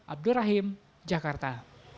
abdul rahim jakarta